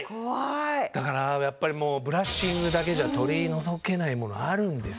だからやっぱりもうブラッシングだけじゃ取り除けない物あるんです。